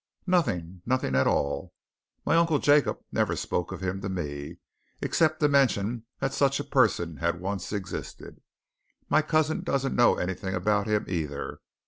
"Nothing nothing at all: My Uncle Jacob never spoke of him to me except to mention that such a person had once existed. My cousin doesn't know anything about him, either.